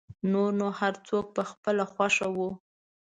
نور نو هر څوک په خپله خوښه و.